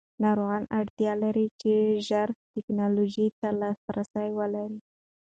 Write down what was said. ناروغان اړتیا لري چې ژر ټېکنالوژۍ ته لاسرسی ولري.